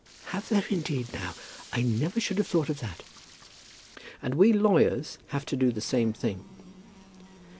"Have there, indeed, now? I never should have thought of that." "And we lawyers have to do the same thing."